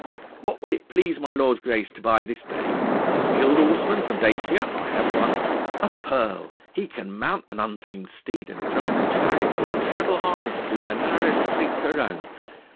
"What will it please my lord's grace to buy this day? A skilled horseman from Dacia?... I have one.... A pearl.... He can mount an untamed steed and drive a chariot in treble harness through the narrowest streets of Rome....